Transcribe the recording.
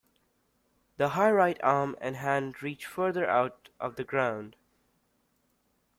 The high right arm and hand reach farther out of the ground.